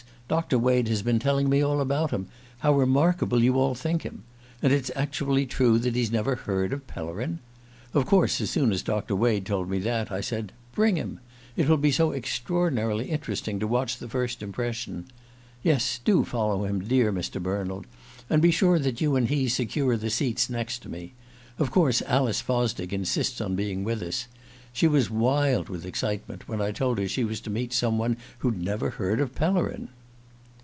Doctor Wade has been telling me all about him how remarkable you all think him. And it's actually true that he's never heard of Pellerin? Of course as soon as Doctor Wade told me that, I said 'Bring him!' It will be so extraordinarily interesting to watch the first impression. Yes, do follow him, dear Mr. Bernald, and be sure that you and he secure the seats next to me. Of course Alice Fosdick insists on being with us. She was wild with excitement when I told her she was to meet some one who'd never heard of Pellerin!"